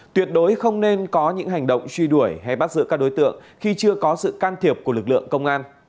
tuyệt đối không nên có những hành động truy đuổi hay bắt giữ các đối tượng khi chưa có sự can thiệp của lực lượng công an